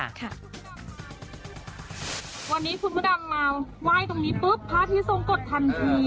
วันนี้คุณมดดำมาวายตรงนี้ปุ๊บพระอธิสงฆ์กฎทันที